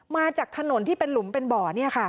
มาจากถนนที่เป็นหลุมเป็นบ่อ